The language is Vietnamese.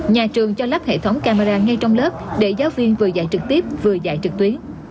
nhà trường cho lắp hệ thống camera ngay trong lớp để giáo viên vừa dạy trực tiếp vừa dạy trực tuyến